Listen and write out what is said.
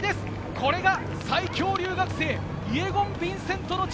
これが最強留学生、イェゴン・ヴィンセントの力。